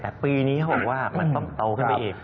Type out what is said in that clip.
แต่ปีนี้เขาบอกว่ามันต้องโตขึ้นไปอีก